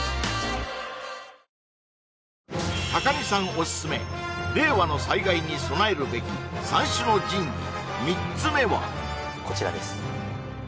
オススメ令和の災害に備えるべき三種の神器３つ目はこちらです